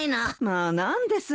まあ何です